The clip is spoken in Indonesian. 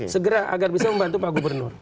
segera agar bisa membantu pak gubernur